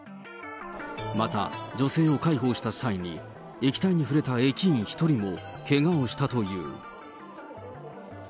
また、女性を介抱した際に液体に触れた駅員１人もけがをしたという。